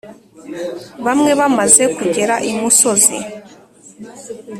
Bamwe bamaze kugera imusozi